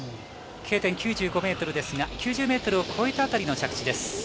Ｋ点９５ｍですが９０ｍを越えたあたりの着地です。